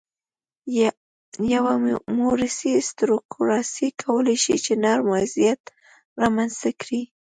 یوه موروثي ارستوکراسي کولای شي نرم وضعیت رامنځته کړي.